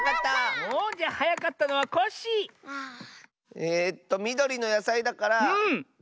えっとみどりのやさいだからゴーヤ！